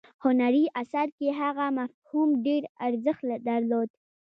هنري اثر کې هغه مفهوم ډیر ارزښت درلود.